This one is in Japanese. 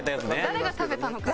誰が食べたのかな。